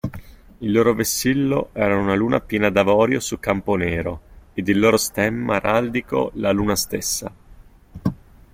Il loro vessillo era una luna piena d'avorio su campo nero, ed il loro stemma araldico la luna stessa.